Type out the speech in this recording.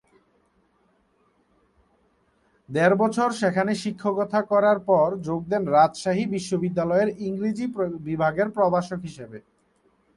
দেড় বছর সেখানে শিক্ষকতা করার পর যোগ দেন রাজশাহী বিশ্ববিদ্যালয়ের ইংরেজি বিভাগের প্রভাষক হিসাবে।